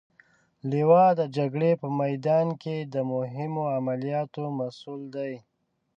لوا د جګړې په میدان کې د مهمو عملیاتو مسئول دی.